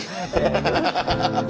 ハハハハ。